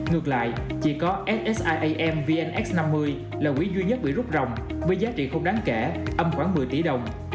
ngược lại chỉ có ssiam vnx năm mươi là quỹ duy nhất bị rút rồng với giá trị không đáng kể âm khoảng một mươi tỷ đồng